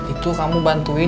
itu kamu bantuin